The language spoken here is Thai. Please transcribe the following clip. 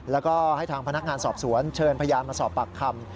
แล้วก็ให้ทางพนักงานสอบสวนเชิญพยานมาสอบปากคำ